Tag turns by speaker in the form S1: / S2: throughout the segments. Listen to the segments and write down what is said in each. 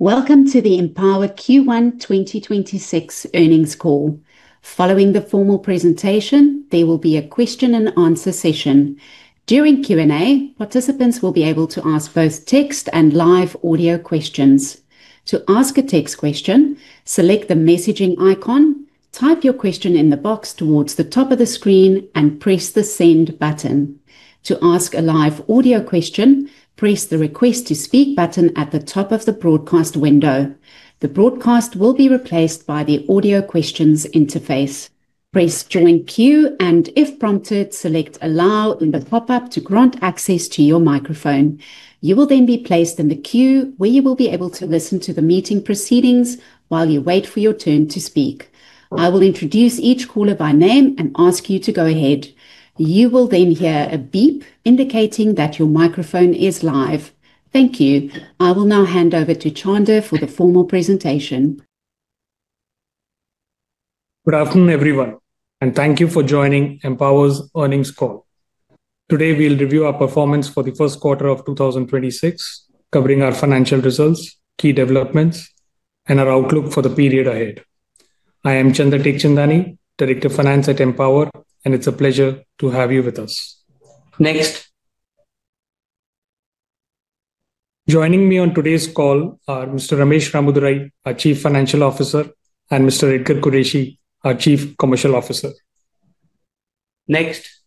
S1: Welcome to the Empower Q1 2026 earnings call. Following the formal presentation, there will be a question and answer session. During Q&A, participants will be able to ask both text and live audio questions. To ask a text question, select the messaging icon, type your question in the box towards the top of the screen and press the Send button. To ask a live audio question, press the Request to speak button at the top of the broadcast window. The broadcast will be replaced by the audio questions interface. Press Join Queue, and if prompted, select Allow in the pop-up to grant access to your microphone. You will be placed in the queue where you will be able to listen to the meeting proceedings while you wait for your turn to speak. I will introduce each caller by name and ask you to go ahead. Thank you. I will now hand over to Chander for the formal presentation.
S2: Good afternoon, everyone, and thank you for joining Empower's earnings call. Today we'll review our performance for the Q1 of 2026, covering our financial results, key developments, and our outlook for the period ahead. I am Chander Teckchandani, Director of Finance at Empower, and it's a pleasure to have you with us. Next. Joining me on today's call are Mr. Ramesh Ramadurai, our Chief Financial Officer, and Mr. Edgar Qureshi, our Chief Commercial Officer. Next.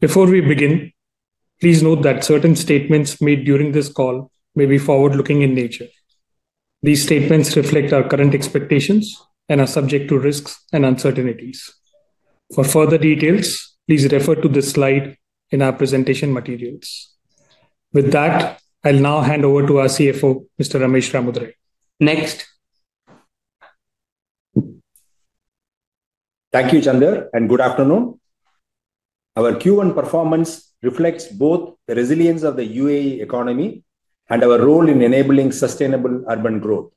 S2: Before we begin, please note that certain statements made during this call may be forward-looking in nature. These statements reflect our current expectations and are subject to risks and uncertainties. For further details, please refer to the slide in our presentation materials. With that, I'll now hand over to our CFO, Mr. Ramesh Ramadurai.
S3: Next. Thank you, Chander, and good afternoon. Our Q1 performance reflects both the resilience of the UAE economy and our role in enabling sustainable urban growth.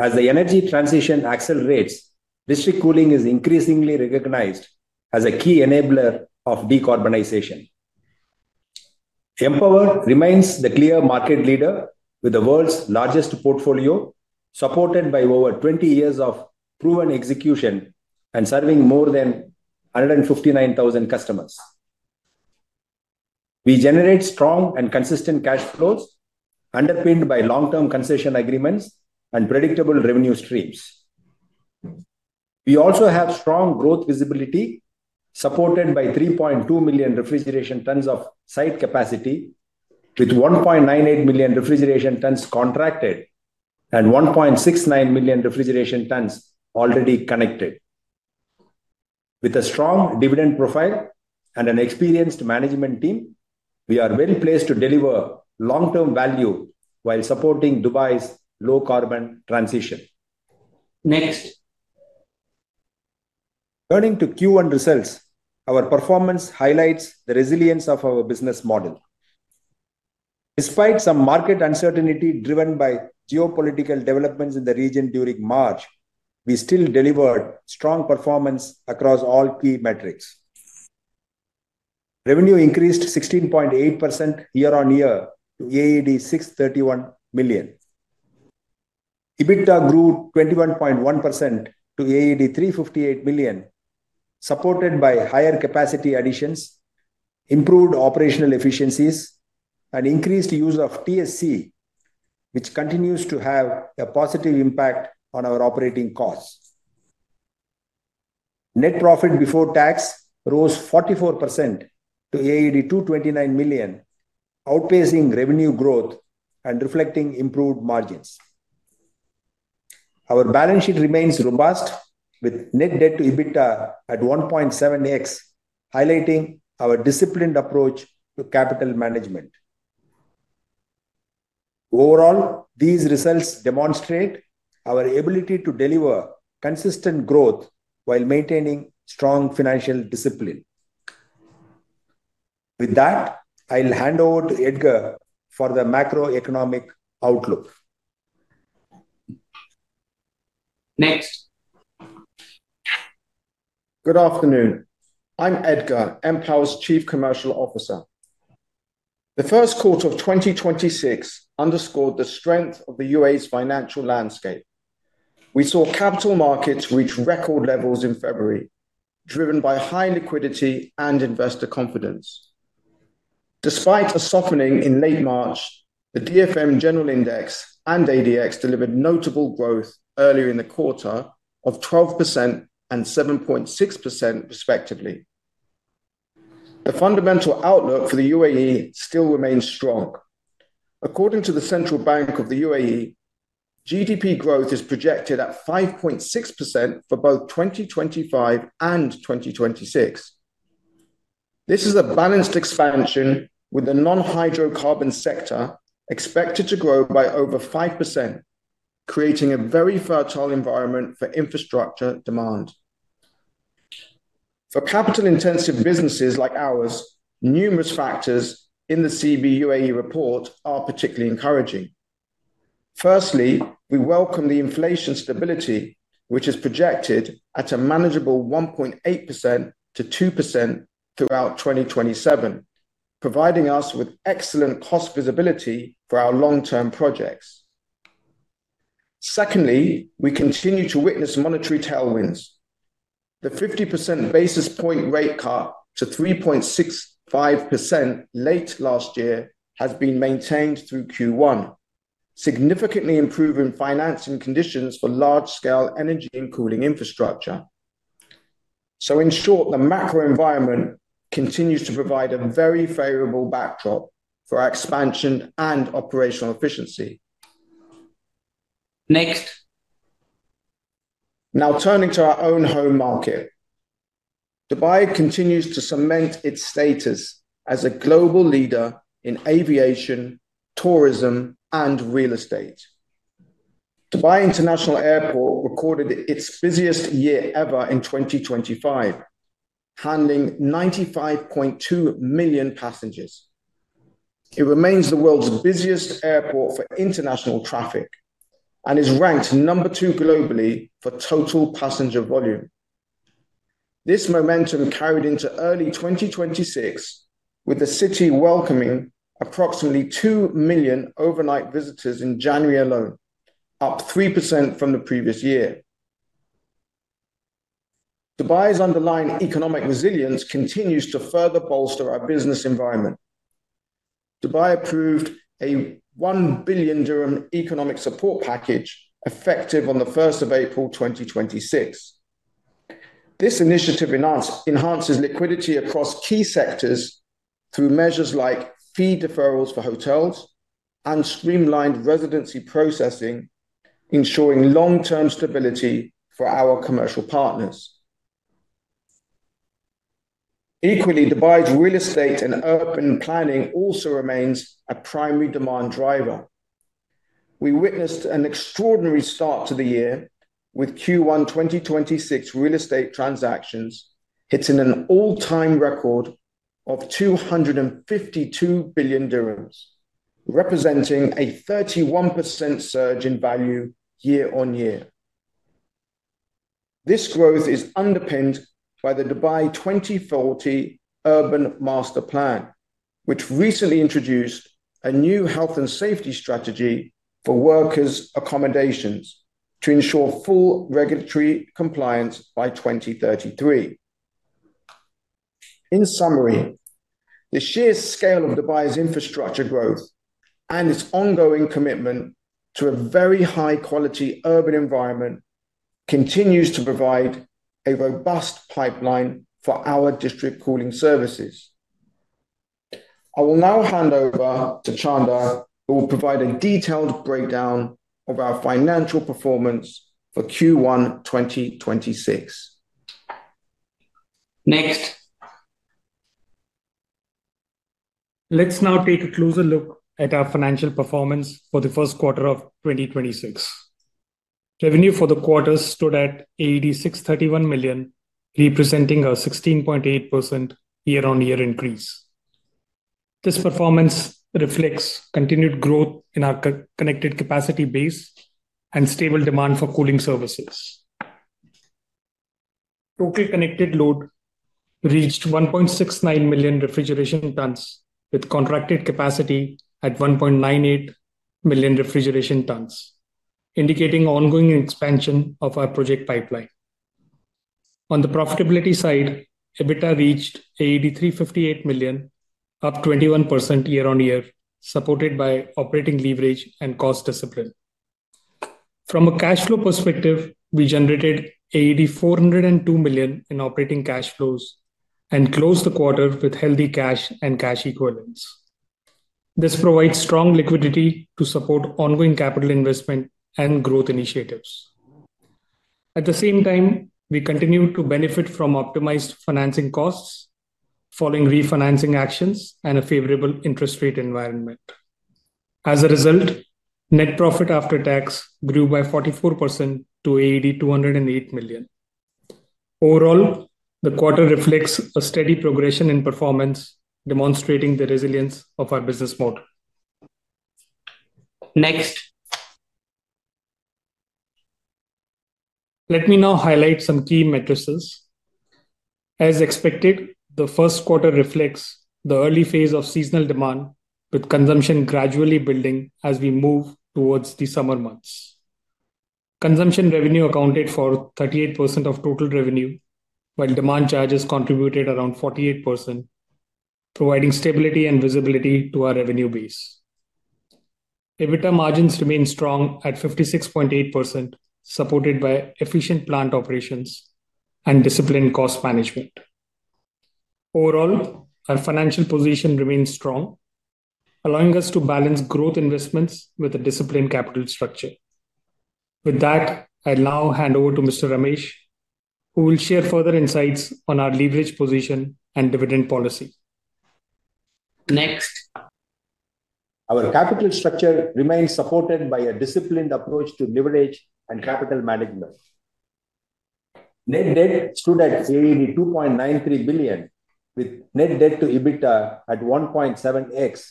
S3: As the energy transition accelerates, district cooling is increasingly recognized as a key enabler of decarbonization. Empower remains the clear market leader with the world's largest portfolio, supported by over 20 years of proven execution and serving more than 159,000 customers. We generate strong and consistent cash flows underpinned by long-term concession agreements and predictable revenue streams. We also have strong growth visibility, supported by 3.2 million refrigeration tons of site capacity, with 1.98 million refrigeration tons contracted and 1.69 million refrigeration tons already connected. With a strong dividend profile and an experienced management team, we are well-placed to deliver long-term value while supporting Dubai's low carbon transition. Next. Turning to Q1 results, our performance highlights the resilience of our business model. Despite some market uncertainty driven by geopolitical developments in the region during March, we still delivered strong performance across all key metrics. Revenue increased 16.8% year-on-year to AED 631 million. EBITDA grew 21.1% to AED 358 million, supported by higher capacity additions, improved operational efficiencies and increased use of TSE, which continues to have a positive impact on our operating costs. Net profit before tax rose 44% to AED 229 million, outpacing revenue growth and reflecting improved margins. Our balance sheet remains robust, with net debt to EBITDA at 1.7x, highlighting our disciplined approach to capital management. These results demonstrate our ability to deliver consistent growth while maintaining strong financial discipline. With that, I'll hand over to Edgar for the macroeconomic outlook.
S4: Next Good afternoon. I'm Edgar, Empower's Chief Commercial Officer. The Q1 of 2026 underscored the strength of the UAE's financial landscape. We saw capital markets reach record levels in February, driven by high liquidity and investor confidence. Despite a softening in late March, the DFM general index and ADX delivered notable growth earlier in the quarter of 12% and 7.6% respectively. The fundamental outlook for the UAE still remains strong. According to the Central Bank of the UAE, GDP growth is projected at 5.6% for both 2025 and 2026. This is a balanced expansion, with the non-hydrocarbon sector expected to grow by over 5%, creating a very fertile environment for infrastructure demand. For capital-intensive businesses like ours, numerous factors in the CBUAE report are particularly encouraging. Firstly, we welcome the inflation stability, which is projected at a manageable 1.8% to 2% throughout 2027, providing us with excellent cost visibility for our long-term projects. Secondly, we continue to witness monetary tailwinds. The 50 percent basis point rate cut to 3.65% late last year has been maintained through Q1, significantly improving financing conditions for large-scale energy and cooling infrastructure. In short, the macro environment continues to provide a very favorable backdrop for our expansion and operational efficiency. Next. Now turning to our own home market. Dubai continues to cement its status as a global leader in aviation, tourism, and real estate. Dubai International Airport recorded its busiest year ever in 2025, handling 95.2 million passengers. It remains the world's busiest airport for international traffic and is ranked number two globally for total passenger volume. This momentum carried into early 2026, with the city welcoming approximately 2 million overnight visitors in January alone, up 3% from the previous year. Dubai's underlying economic resilience continues to further bolster our business environment. Dubai approved an 1 billion dirham economic support package effective on the 1st of April, 2026. This initiative enhances liquidity across key sectors through measures like fee deferrals for hotels and streamlined residency processing, ensuring long-term stability for our commercial partners. Equally, Dubai's real estate and urban planning also remains a primary demand driver. We witnessed an extraordinary start to the year with Q1 2026 real estate transactions hitting an all-time record of 252 billion dirhams, representing a 31% surge in value year-on-year. This growth is underpinned by the Dubai 2040 Urban Master Plan, which recently introduced a new health and safety strategy for workers' accommodations to ensure full regulatory compliance by 2033. In summary, the sheer scale of Dubai's infrastructure growth and its ongoing commitment to a very high quality urban environment continues to provide a robust pipeline for our district cooling services. I will now hand over to Chander, who will provide a detailed breakdown of our financial performance for Q1 2026.
S2: Next. Let's now take a closer look at our financial performance for the Q1 of 2026. Revenue for the quarter stood at 631 million, representing a 16.8% year-on-year increase. This performance reflects continued growth in our connected capacity base and stable demand for cooling services. Total connected load reached 1.69 million refrigeration tons, with contracted capacity at 1.98 million refrigeration tons, indicating ongoing expansion of our project pipeline. On the profitability side, EBITDA reached 358 million, up 21% year-on-year, supported by operating leverage and cost discipline. From a cash flow perspective, we generated 402 million in operating cash flows and closed the quarter with healthy cash and cash equivalents. This provides strong liquidity to support ongoing capital investment and growth initiatives. At the same time, we continue to benefit from optimized financing costs following refinancing actions and a favorable interest rate environment. As a result, net profit after tax grew by 44% to 208 million. Overall, the quarter reflects a steady progression in performance, demonstrating the resilience of our business model. Next. Let me now highlight some key metrics. As expected, the Q1 reflects the early phase of seasonal demand, with consumption gradually building as we move towards the summer months. Consumption revenue accounted for 38% of total revenue, while demand charges contributed around 48%, providing stability and visibility to our revenue base. EBITDA margins remain strong at 56.8%, supported by efficient plant operations and disciplined cost management. Overall, our financial position remains strong, allowing us to balance growth investments with a disciplined capital structure. With that, I'll now hand over to Mr. Ramesh, who will share further insights on our leverage position and dividend policy.
S3: Next. Our capital structure remains supported by a disciplined approach to leverage and capital management. Net debt stood at 2.93 billion, with net debt to EBITDA at 1.7x,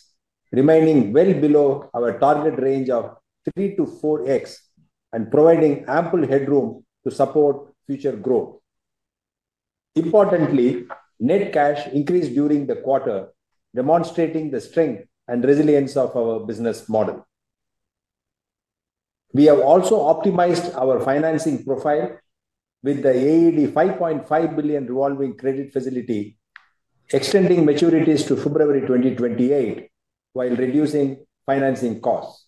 S3: remaining well below our target range of 3 to 4x and providing ample headroom to support future growth. Importantly, net cash increased during the quarter, demonstrating the strength and resilience of our business model. We have also optimized our financing profile with the AED 5.5 billion revolving credit facility, extending maturities to February 2028 while reducing financing costs.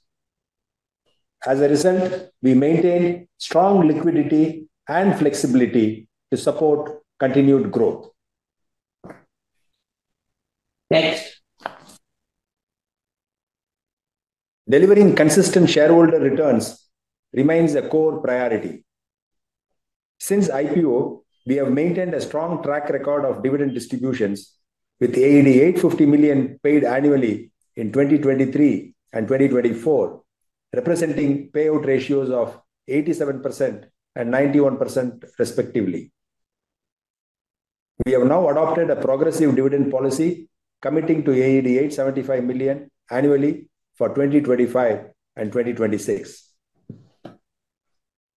S3: As a result, we maintain strong liquidity and flexibility to support continued growth. Next. Delivering consistent shareholder returns remains a core priority. Since IPO, we have maintained a strong track record of dividend distributions, with AED 850 million paid annually in 2023 and 2024, representing payout ratios of 87% and 91% respectively. We have now adopted a progressive dividend policy committing to AED 875 million annually for 2025 and 2026.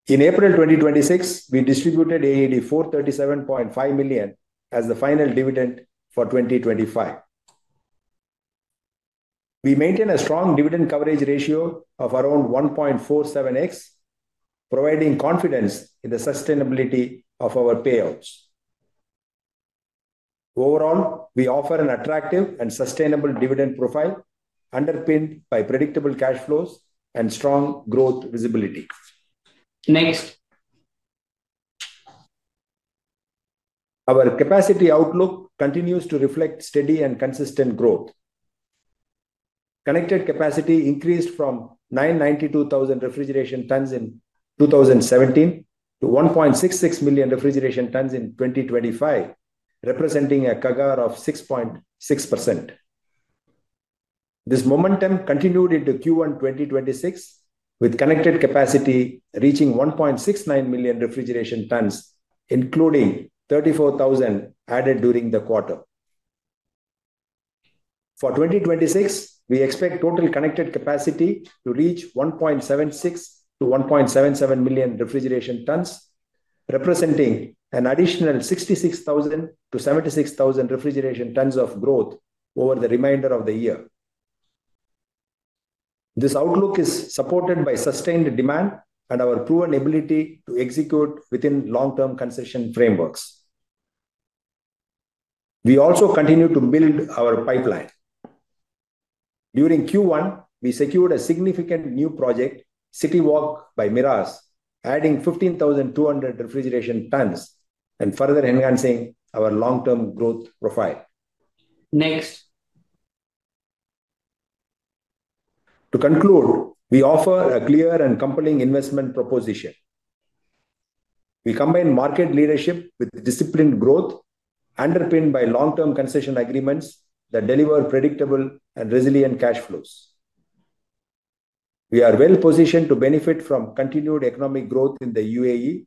S3: In April 2026, we distributed AED 437.5 million as the final dividend for 2025. We maintain a strong dividend coverage ratio of around 1.47x, providing confidence in the sustainability of our payouts. Overall, we offer an attractive and sustainable dividend profile underpinned by predictable cash flows and strong growth visibility. Next. Our capacity outlook continues to reflect steady and consistent growth. Connected capacity increased from 992,000 refrigeration tons in 2017 to 1.66 million refrigeration tons in 2025, representing a CAGR of 6.6%. This momentum continued into Q1 2026, with connected capacity reaching 1.69 million refrigeration tons, including 34,000 added during the quarter. For 2026, we expect total connected capacity to reach 1.76 million-1.77 million refrigeration tons, representing an additional 66,000-76,000 refrigeration tons of growth over the remainder of the year. This outlook is supported by sustained demand and our proven ability to execute within long-term concession frameworks. We also continue to build our pipeline. During Q1, we secured a significant new project, City Walk by Meraas, adding 15,200 refrigeration tons and further enhancing our long-term growth profile. Next. To conclude, we offer a clear and compelling investment proposition. We combine market leadership with disciplined growth underpinned by long-term concession agreements that deliver predictable and resilient cash flows. We are well positioned to benefit from continued economic growth in the UAE,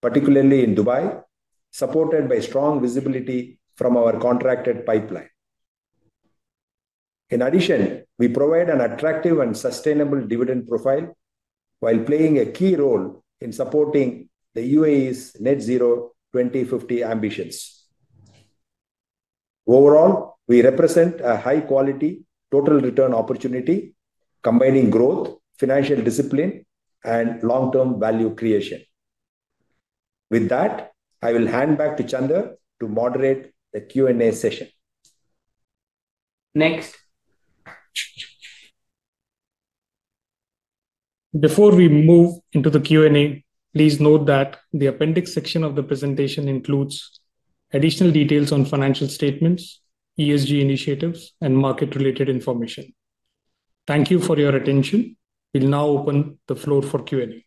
S3: particularly in Dubai, supported by strong visibility from our contracted pipeline. In addition, we provide an attractive and sustainable dividend profile while playing a key role in supporting the UAE's Net Zero by 2050 ambitions. Overall, we represent a high-quality total return opportunity, combining growth, financial discipline, and long-term value creation. With that, I will hand back to Chander to moderate the Q&A session.
S2: Next. Before we move into the Q&A, please note that the appendix section of the presentation includes additional details on financial statements, ESG initiatives, and market-related information. Thank you for your attention. We'll now open the floor for Q&A.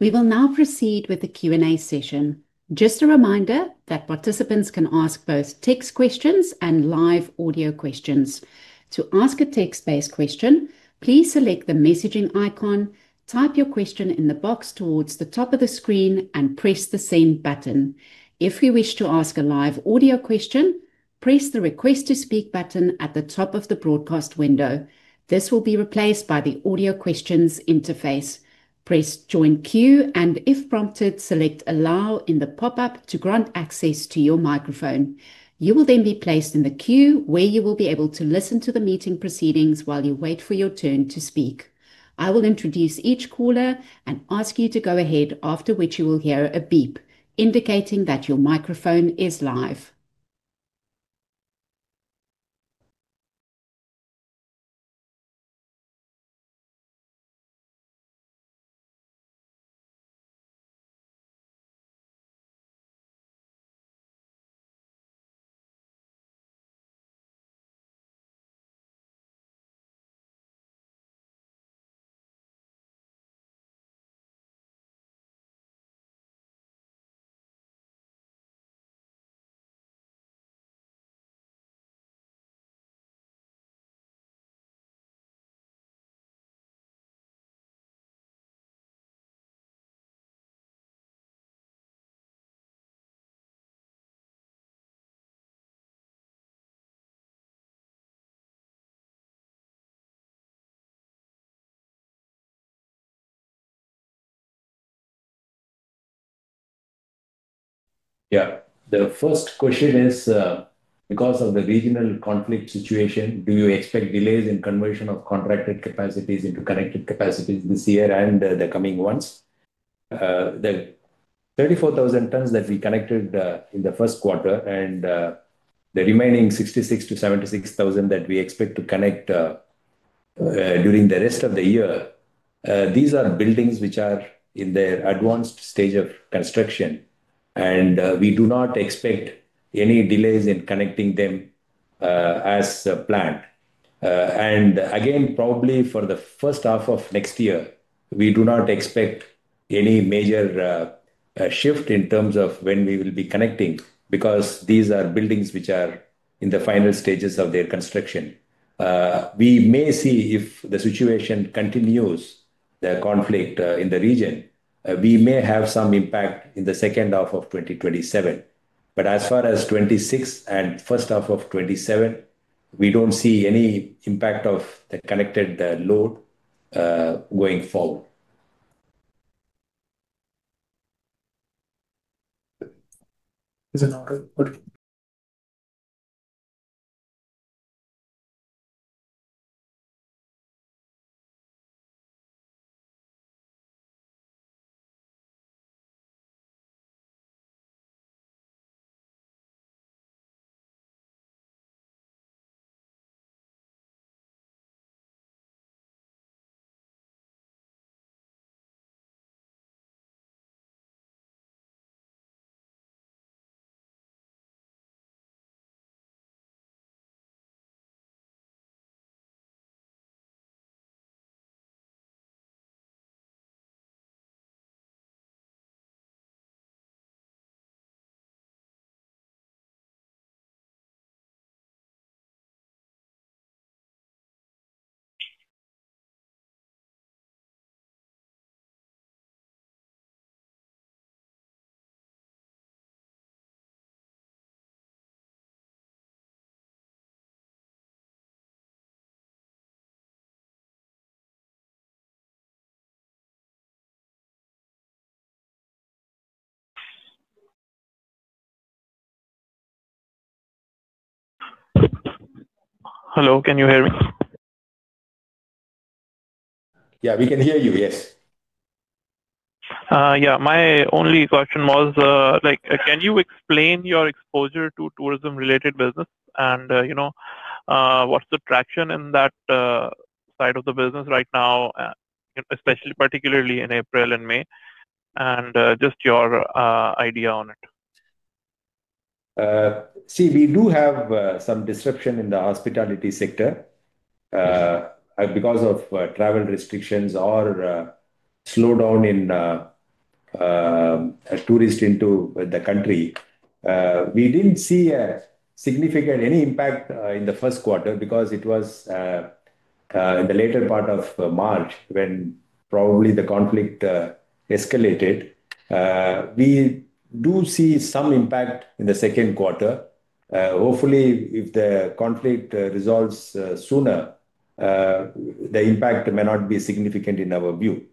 S1: We will now proceed with the Q&A session. Just a reminder that participants can ask both text questions and live audio questions. To ask a text-based question, please select the messaging icon, type your question in the box towards the top of the screen, and press the Send button. If you wish to ask a live audio question, press the Request to Speak button at the top of the broadcast window. This will be replaced by the Audio Questions interface. Press Join Queue, and if prompted, select Allow in the pop-up to grant access to your microphone. You will then be placed in the queue, where you will be able to listen to the meeting proceedings while you wait for your turn to speak. I will introduce each caller and ask you to go ahead, after which you will hear a beep indicating that your microphone is live.
S2: The first question is, because of the regional conflict situation, do you expect delays in conversion of contracted capacities into connected capacities this year and the coming ones?
S3: The 34,000 tons that we connected in the Q1 and the remaining 66,000-76,000 that we expect to connect during the rest of the year, these are buildings which are in their advanced stage of construction, and we do not expect any delays in connecting them as planned. And again, probably for the first half of next year, we do not expect any major shift in terms of when we will be connecting because these are buildings which are in the final stages of their construction. We may see if the situation continues, the conflict in the region, we may have some impact in the second half of 2027. As far as 2026 and first half of 2027, we don't see any impact of the connected load going forward.
S2: Is it not working?
S5: Hello, can you hear me?
S3: Yeah, we can hear you. Yes.
S5: Yeah, my only question was, like, can you explain your exposure to tourism-related business and, you know, what's the traction in that side of the business right now, especially particularly in April and May, and just your idea on it?
S3: See, we do have some disruption in the hospitality sector because of travel restrictions or slowdown in tourists into the country. We didn't see any impact in the Q1 because it was in the later part of March when probably the conflict escalated. We do see some impact in the Q2. Hopefully, if the conflict resolves sooner, the impact may not be significant in our view.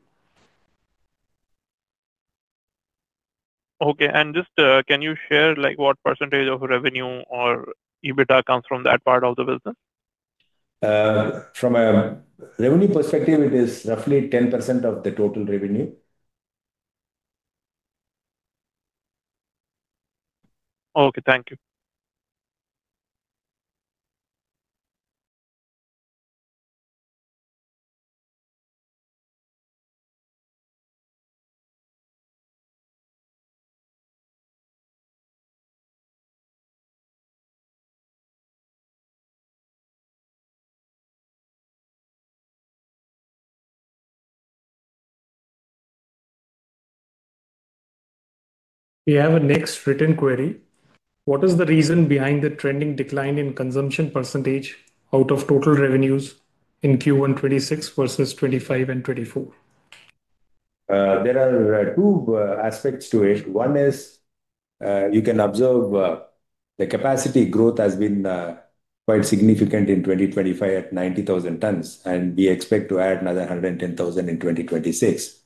S5: Okay. Just, like, can you share what percentage of revenue or EBITDA comes from that part of the business?
S3: From a revenue perspective, it is roughly 10% of the total revenue.
S5: Okay. Thank you.
S2: We have a next written query. What is the reason behind the trending decline in consumption % out of total revenues in Q1 2026 versus 2025 and 2024?
S3: There are two aspects to it. One is, you can observe, the capacity growth has been quite significant in 2025 at 90,000 tons, and we expect to add another 110,000 in 2026.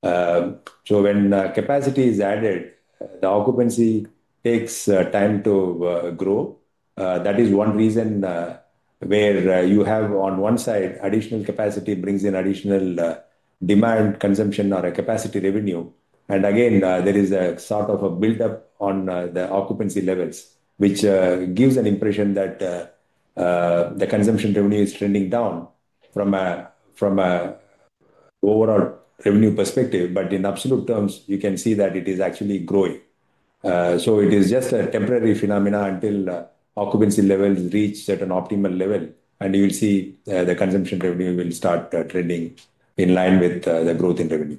S3: When capacity is added, the occupancy takes time to grow. That is one reason, where you have on one side additional capacity brings in additional demand, consumption or a capacity revenue. Again, there is a sort of a buildup on the occupancy levels, which gives an impression that the consumption revenue is trending down from a overall revenue perspective. In absolute terms, you can see that it is actually growing. It is just a temporary phenomenon until occupancy levels reach an optimal level, and you will see the consumption revenue will start trending in line with the growth in revenue.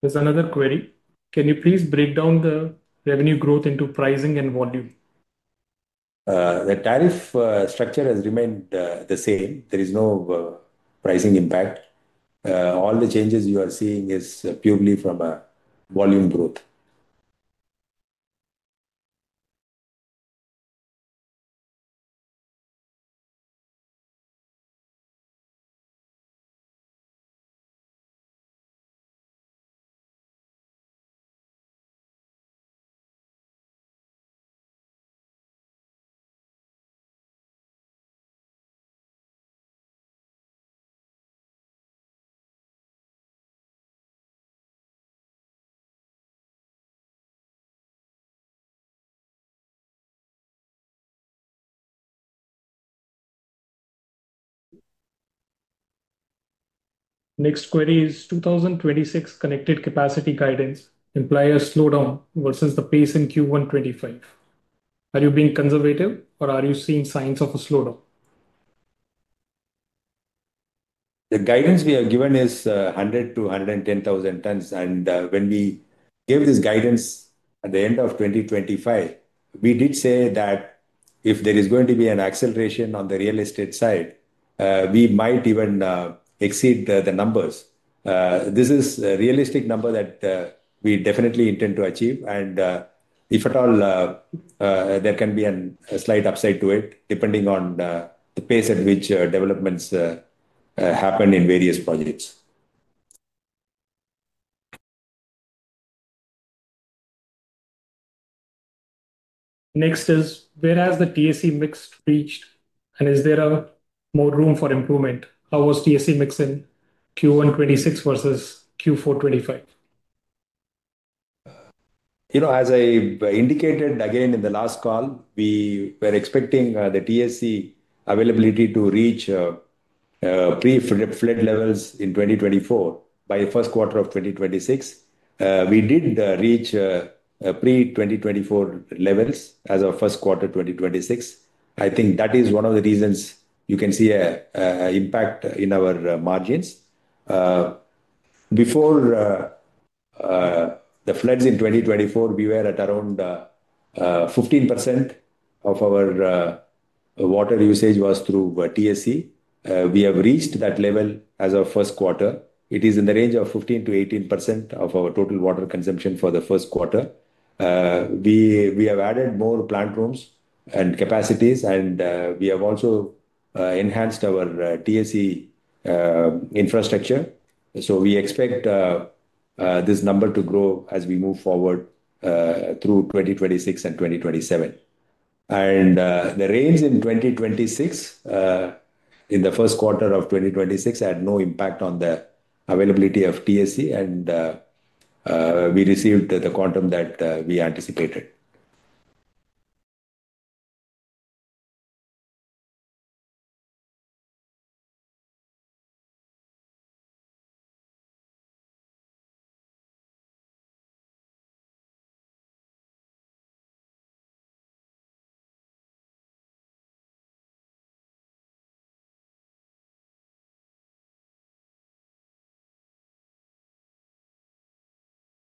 S2: There's another query. Can you please break down the revenue growth into pricing and volume?
S3: The tariff structure has remained the same. There is no pricing impact. All the changes you are seeing is purely from volume growth.
S2: Next query is 2026 connected capacity guidance imply a slowdown versus the pace in Q1 2025? Are you being conservative or are you seeing signs of a slowdown?
S3: The guidance we have given is 100-110,000 tons. When we gave this guidance at the end of 2025, we did say that if there is going to be an acceleration on the real estate side, we might even exceed the numbers. This is a realistic number that we definitely intend to achieve. If at all, there can be a slight upside to it depending on the pace at which developments happen in various projects.
S2: Next is, where has the TSE mix reached, and is there more room for improvement? How was TSE mix in Q1 26 versus Q4 25?
S3: You know, as I indicated again in the last call, we were expecting the TSE availability to reach pre-flood levels in 2024, by the Q1 of 2026. We did reach pre-2024 levels as of Q1, 2026. I think that is one of the reasons you can see an impact in our margins. Before the floods in 2024, we were at around 15% of our water usage was through TSE. We have reached that level as of Q1. It is in the range of 15%-18% of our total water consumption for the Q1. We have added more plant rooms and capacities, and we have also enhanced our TSE infrastructure. We expect this number to grow as we move forward through 2026 and 2027. The rains in 2026 in the Q1 of 2026, had no impact on the availability of TSE and we received the quantum that we anticipated.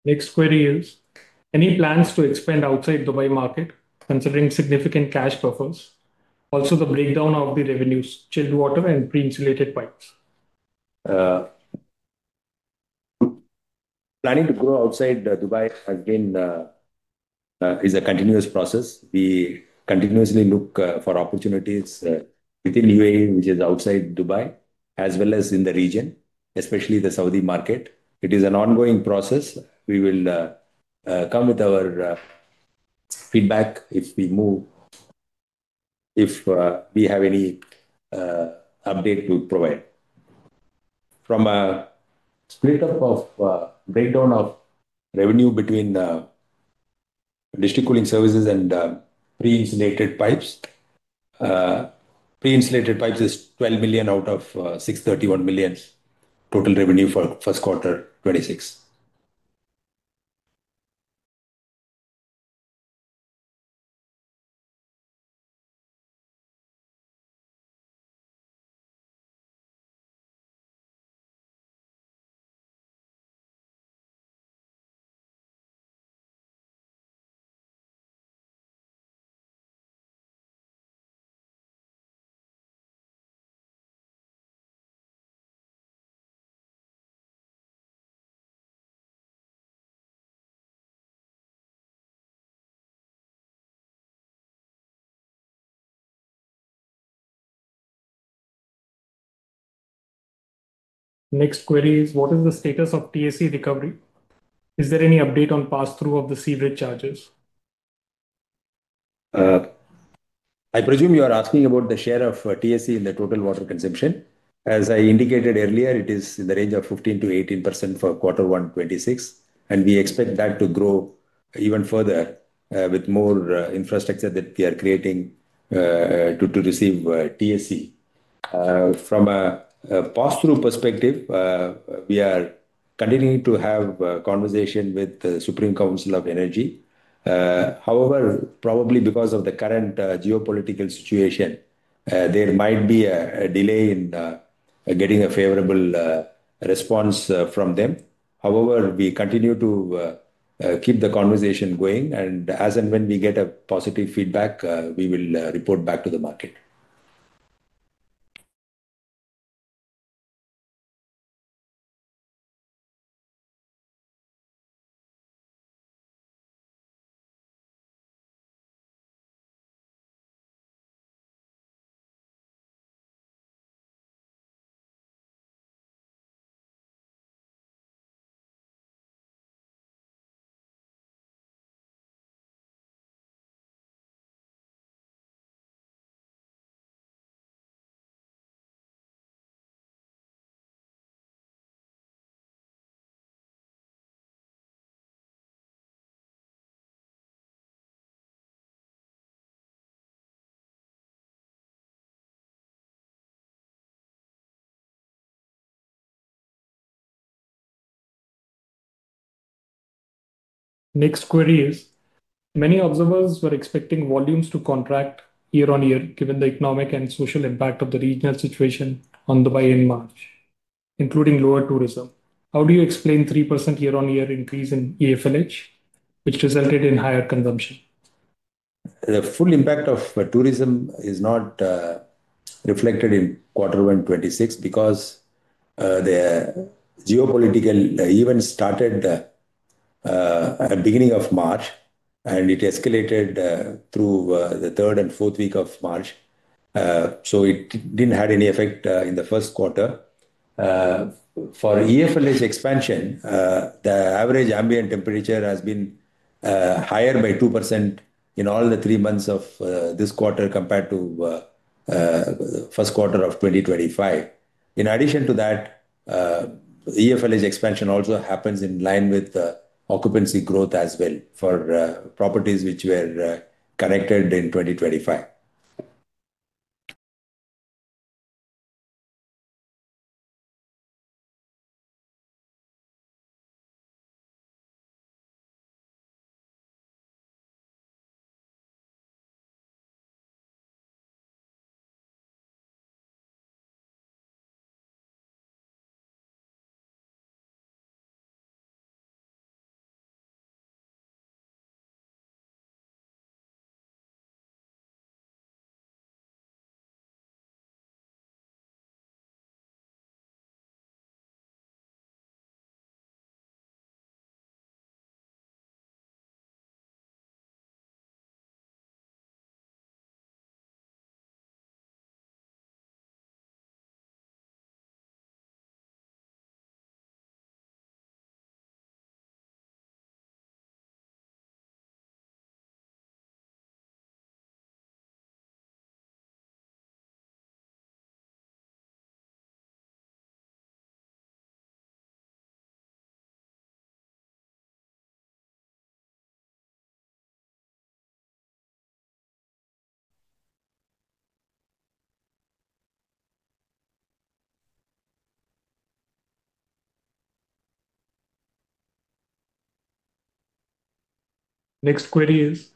S2: Next query is, any plans to expand outside Dubai market considering significant cash buffers? Also the breakdown of the revenues, chilled water and pre-insulated pipes?
S3: Planning to grow outside Dubai again is a continuous process. We continuously look for opportunities within UAE, which is outside Dubai, as well as in the region, especially the Saudi market. It is an ongoing process. We will come with our feedback if we move, if we have any update to provide. From a split up of breakdown of revenue between district cooling services and pre-insulated pipes. Pre-insulated pipes is 12 million out of 631 million total revenue for Q1 2026.
S2: Next query is what is the status of TSE recovery? Is there any update on pass-through of the DEWA charges?
S3: I presume you are asking about the share of TSE in the total water consumption. As I indicated earlier, it is in the range of 15%-18% for Q1 2026, and we expect that to grow even further with more infrastructure that we are creating to receive TSE. From a pass-through perspective, we are continuing to have conversation with the Dubai Supreme Council of Energy. However, probably because of the current geopolitical situation, there might be a delay in getting a favorable response from them. However, we continue to keep the conversation going, and as and when we get a positive feedback, we will report back to the market.
S2: Next query is many observers were expecting volumes to contract year-on-year, given the economic and social impact of the regional situation on Dubai in March, including lower tourism. How do you explain 3% year-on-year increase in EFLH, which resulted in higher consumption?
S3: The full impact of tourism is not reflected in Q1 2026 because the geopolitical event started beginning of March, it escalated through the 3rd and 4th week of March. It didn't have any effect in the Q1. For EFLH expansion, the average ambient temperature has been higher by 2% in all the three months of this quarter compared to Q1 of 2025. In addition to that, EFLH expansion also happens in line with the occupancy growth as well for properties which were connected in 2025.
S2: Next query is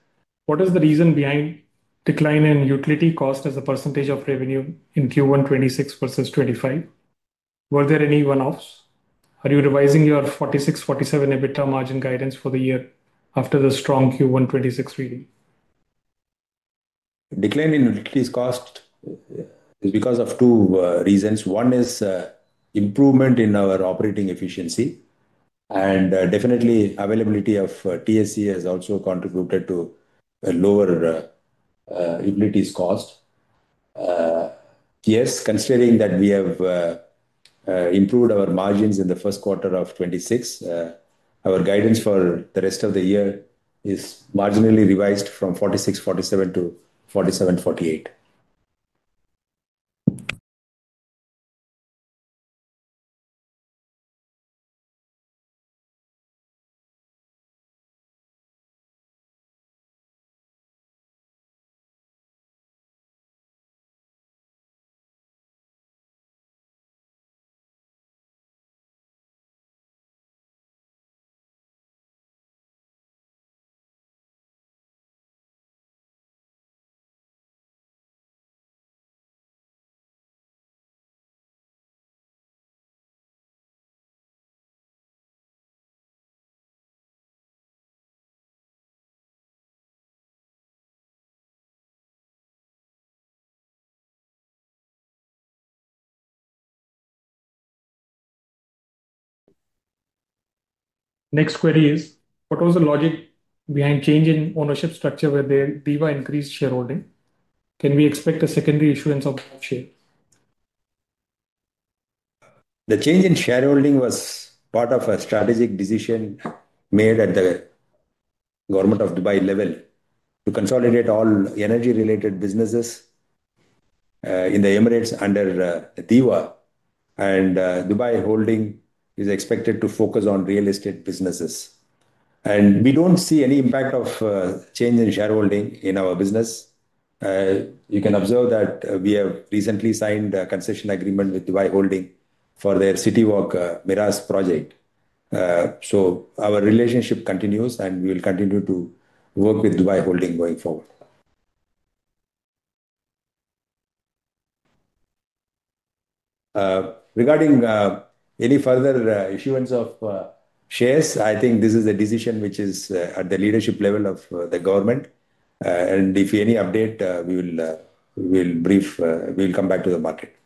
S2: what is the reason behind decline in utility cost as a percentage of revenue in Q one 2026 versus 2025? Were there any one-offs? Are you revising your 46, 47 EBITDA margin guidance for the year after the strong Q one 2026 reading?
S3: Decline in utilities cost is because of two reasons. One is improvement in our operating efficiency, and definitely availability of TSE has also contributed to a lower utilities cost. Yes, considering that we have improved our margins in the Q1 of 2026, our guidance for the rest of the year is marginally revised from 46%-47% to 47%-48%.
S2: Next query is what was the logic behind change in ownership structure where the DEWA increased shareholding? Can we expect a secondary issuance of shares?
S3: The change in shareholding was part of a strategic decision made at the Government of Dubai level to consolidate all energy-related businesses in the Emirates under DEWA. Dubai Holding is expected to focus on real estate businesses. We don't see any impact of change in shareholding in our business. You can observe that we have recently signed a concession agreement with Dubai Holding for their City Walk Meraas project. Our relationship continues, and we will continue to work with Dubai Holding going forward. Regarding any further issuance of shares, I think this is a decision which is at the leadership level of the Government. If any update, we will brief, we'll come back to the market.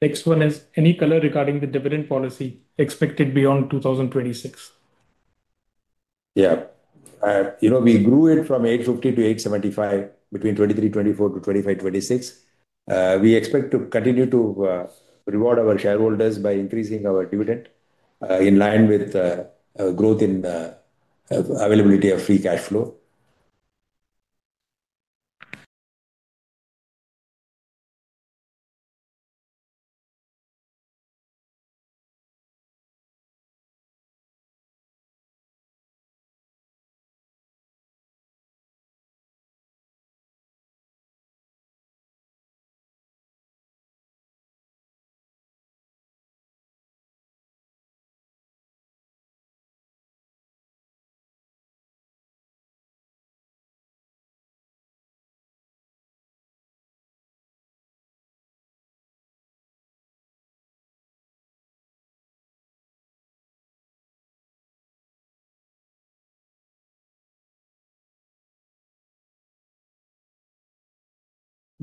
S2: Next one is any color regarding the dividend policy expected beyond 2026?
S3: Yeah. You know, we grew it from 850-875 between 2023-2024 to 2025-2026. We expect to continue to reward our shareholders by increasing our dividend in line with growth in availability of free cash flow.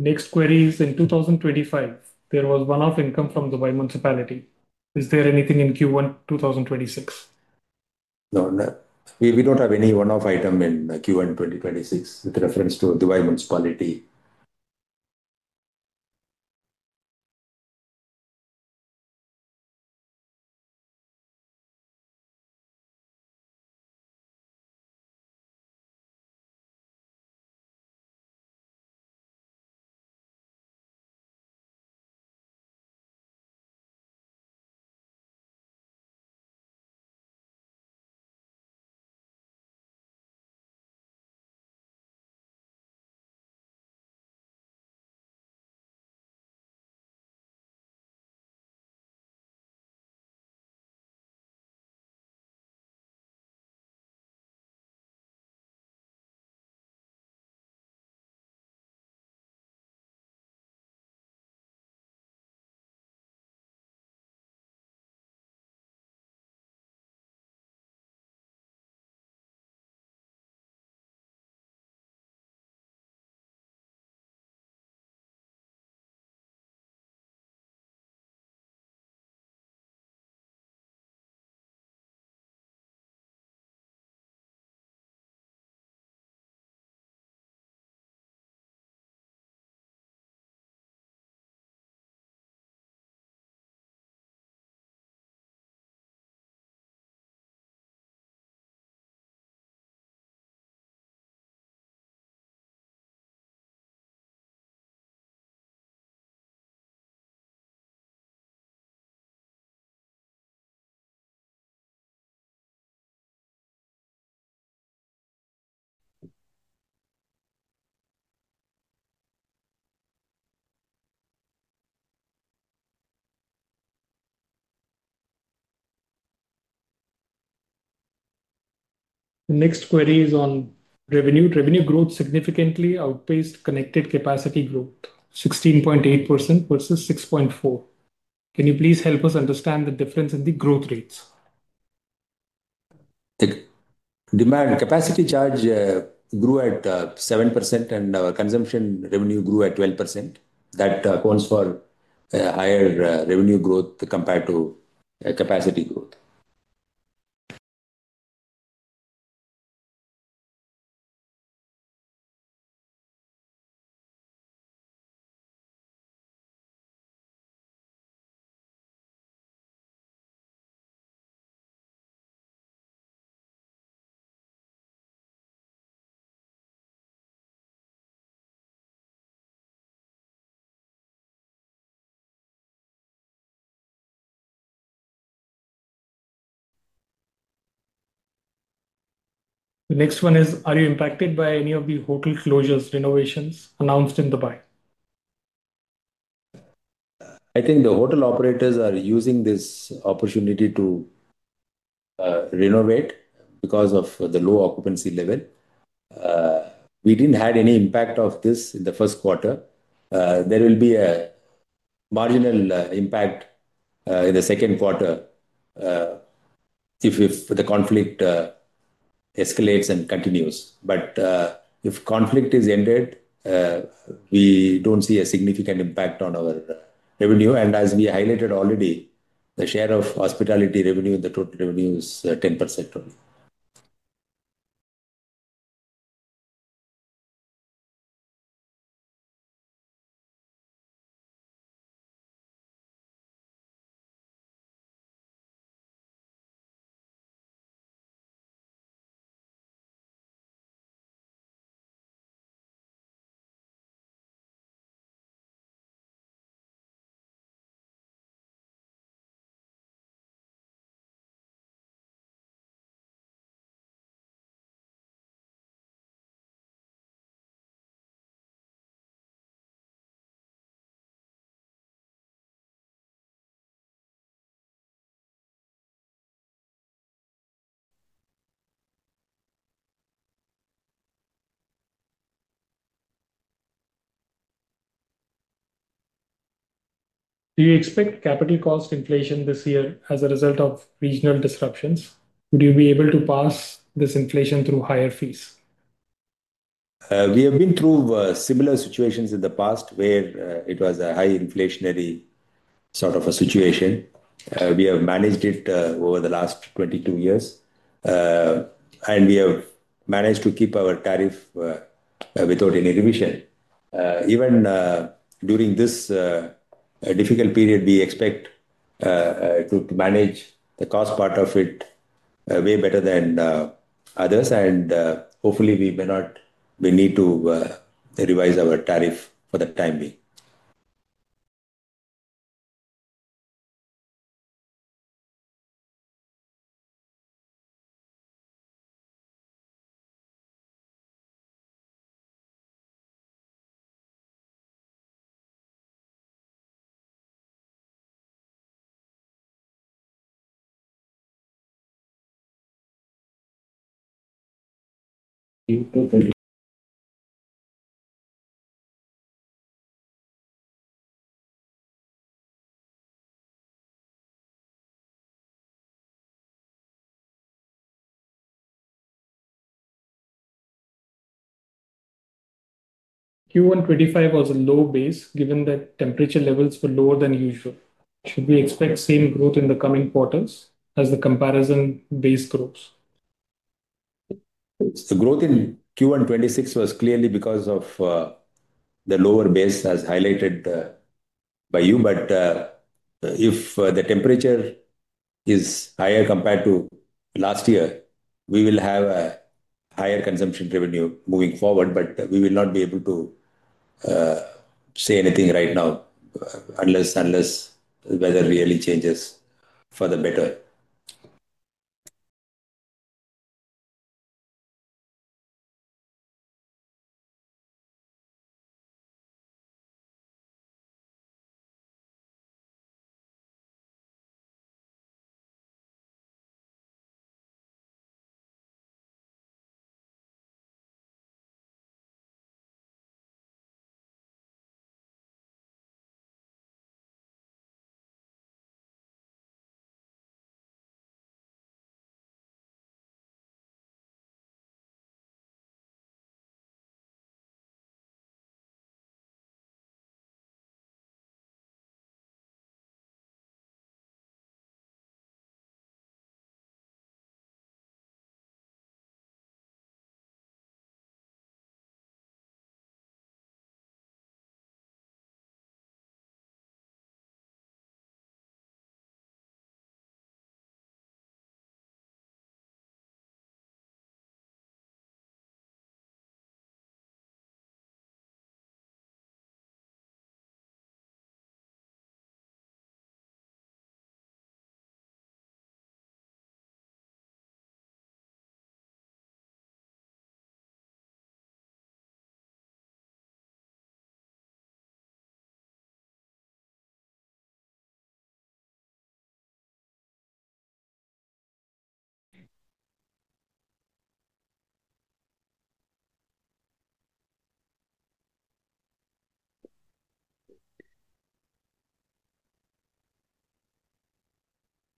S2: Next query is in 2025, there was one-off income from Dubai Municipality. Is there anything in Q1 2026?
S3: No, no. We don't have any one-off item in Q1 2026 with reference to Dubai Municipality.
S2: The next query is on revenue. Revenue growth significantly outpaced connected capacity growth, 16.8% versus 6.4%. Can you please help us understand the difference in the growth rates?
S3: The demand capacity charge grew at 7% and our consumption revenue grew at 12%. That calls for higher revenue growth compared to capacity growth.
S2: The next one is, are you impacted by any of the hotel closures, renovations announced in Dubai?
S3: I think the hotel operators are using this opportunity to renovate because of the low occupancy level. We didn't have any impact of this in the Q1. There will be a marginal impact in the Q2 if the conflict escalates and continues. If conflict is ended, we don't see a significant impact on our revenue. As we highlighted already, the share of hospitality revenue in the total revenue is 10% only.
S2: Do you expect capital cost inflation this year as a result of regional disruptions? Would you be able to pass this inflation through higher fees?
S3: We have been through similar situations in the past where it was a high inflationary sort of a situation. We have managed it over the last 22 years. We have managed to keep our tariff without any revision. Even during this difficult period, we expect to manage the cost part of it way better than others. Hopefully we may not need to revise our tariff for the time being.
S2: Q1 2025 was a low base given that temperature levels were lower than usual. Should we expect same growth in the coming quarters as the comparison base grows?
S3: The growth in Q1 26 was clearly because of the lower base as highlighted by you. If the temperature is higher compared to last year, we will have a higher consumption revenue moving forward, but we will not be able to say anything right now unless the weather really changes for the better.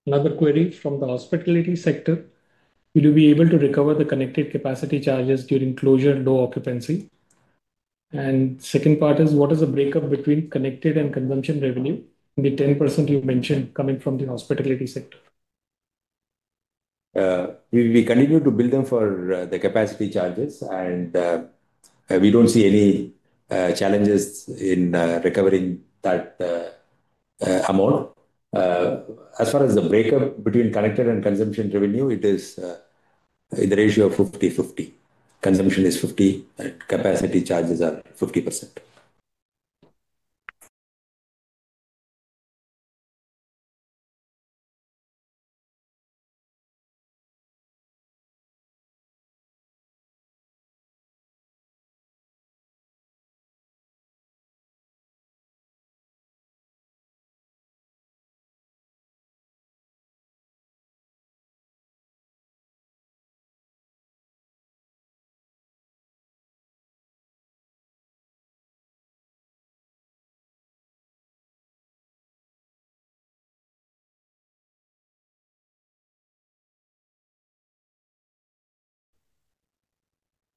S2: Another query from the hospitality sector. Will you be able to recover the connected capacity charges during closure and low occupancy? Second part is what is the breakup between connected and consumption revenue in the 10% you mentioned coming from the hospitality sector?
S3: We continue to bill them for the capacity charges. We don't see any challenges in recovering that amount. As far as the breakup between connected and consumption revenue, it is the ratio of 50/50. Consumption is 50, and capacity charges are 50%.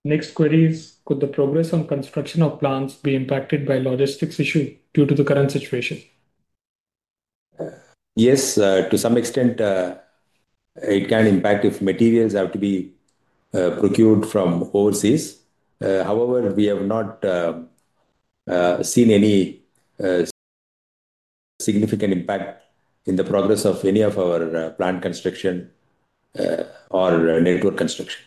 S2: Next query is could the progress on construction of plants be impacted by logistics issue due to the current situation?
S3: Yes, to some extent, it can impact if materials have to be procured from overseas. However, we have not seen any significant impact in the progress of any of our plant construction or network construction.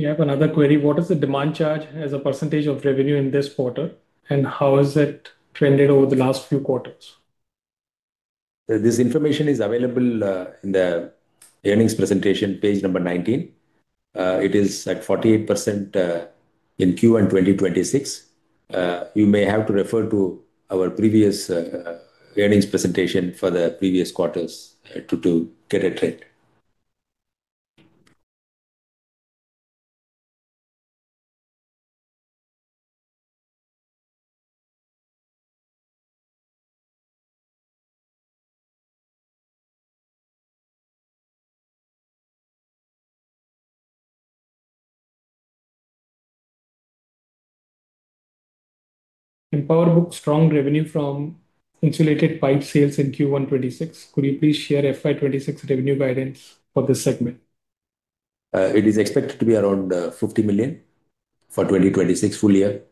S2: We have another query. What is the demand charge as a % of revenue in this quarter, and how has it trended over the last few quarters?
S3: This information is available in the earnings presentation, page number 19. It is at 48% in Q1 2026. You may have to refer to our previous earnings presentation for the previous quarters to get a trend.
S2: In Empower, strong revenue from insulated pipe sales in Q1 2026. Could you please share FY 2026 revenue guidance for this segment?
S3: It is expected to be around, 50 million for 2026 full year.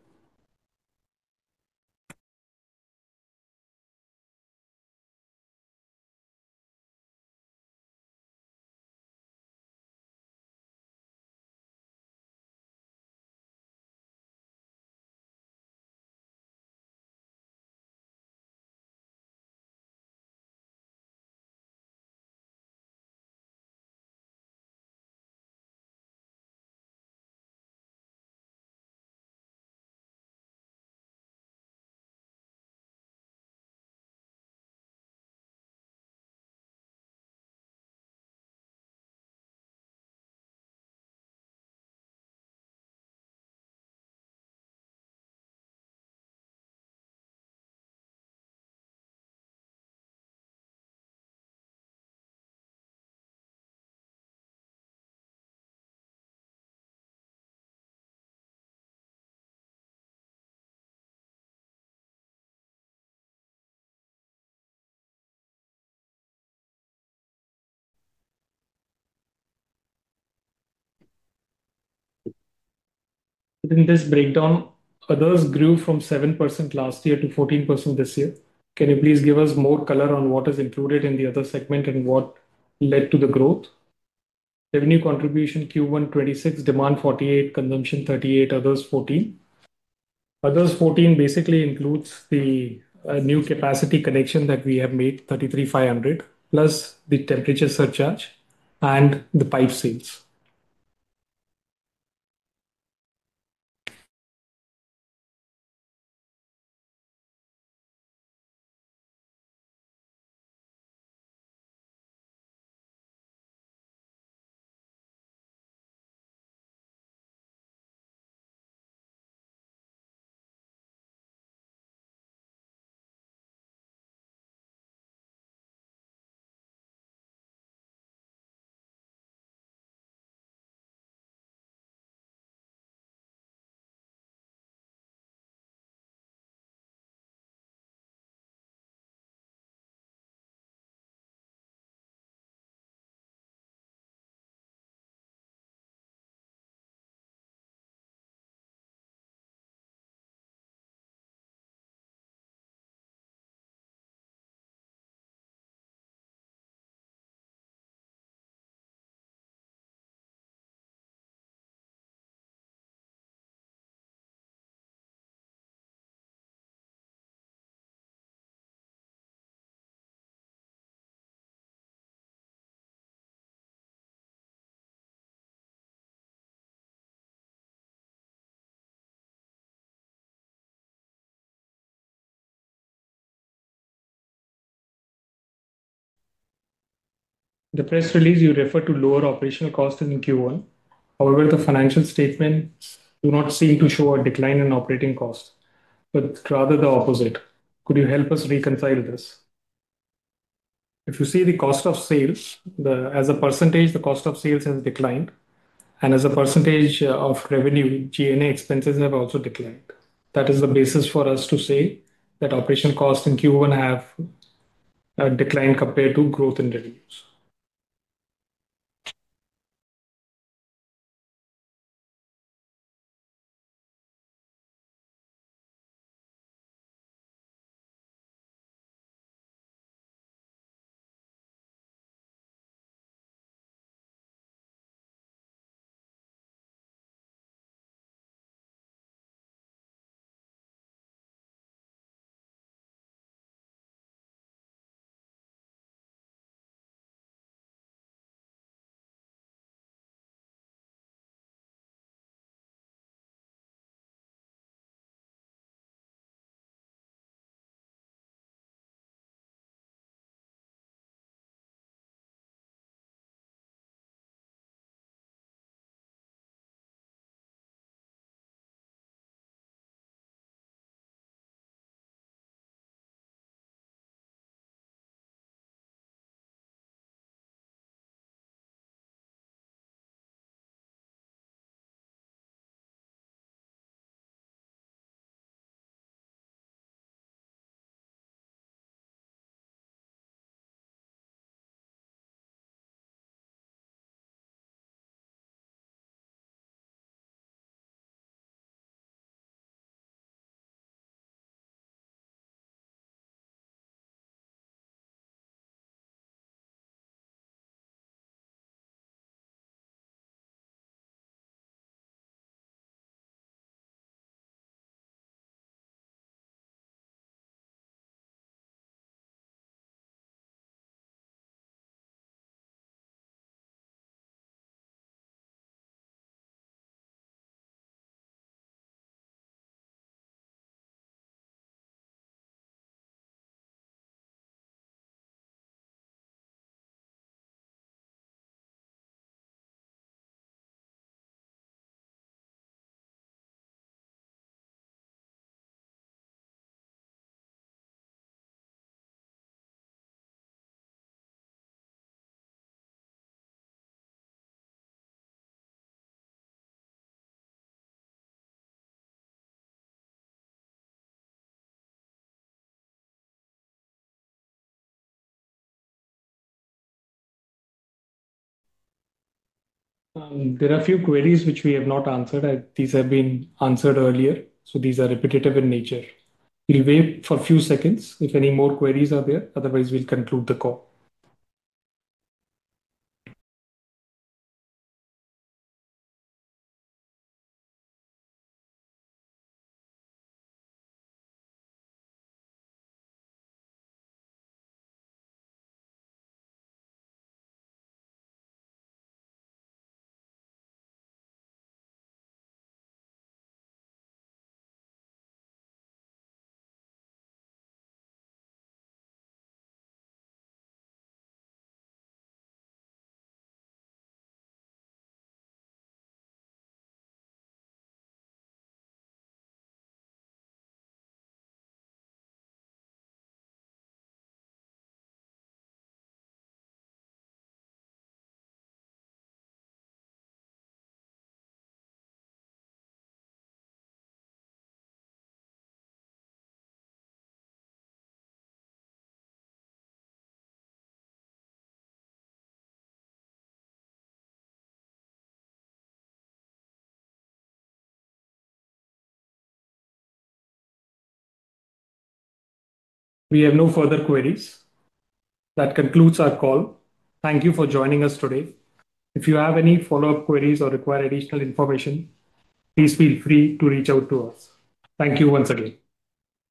S2: In this breakdown, others grew from 7% last year to 14% this year. Can you please give us more color on what is included in the other segment and what led to the growth? Revenue contribution Q1 2026, demand 48%, consumption 38%, others 14%. Others 14% basically includes the new capacity connection that we have made, 33,500+, the temperature surcharge and the pipe sales. The press release you refer to lower operational costs in Q1. The financial statements do not seem to show a decline in operating costs, but rather the opposite. Could you help us reconcile this? If you see the cost of sales, as a percentage, the cost of sales has declined, and as a percentage of revenue, G&A expenses have also declined. That is the basis for us to say that operational costs in Q1 have declined compared to growth in revenues. There are a few queries which we have not answered. These have been answered earlier. These are repetitive in nature. We'll wait for a few seconds if any more queries are there. We'll conclude the call. We have no further queries. That concludes our call. Thank you for joining us today. If you have any follow-up queries or require additional information, please feel free to reach out to us. Thank you once again.